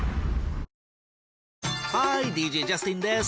ハーイＤＪジャスティンです。